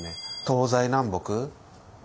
東西南北